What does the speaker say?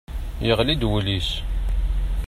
Yeɣli-d wul-is.